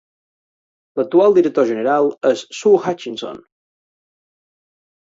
L'actual director general és Su Hutchinson.